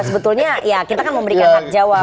sebetulnya ya kita kan memberikan hak jawab